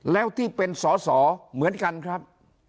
แล้วที่เป็นสอสอเหมือนกันครับ